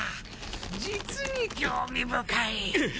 実に興味深い。うっ。